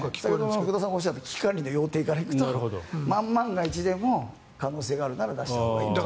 最初に福田さんがおっしゃった危機管理の要諦から行くと万万が一でも可能性があるなら出したほうがいいという。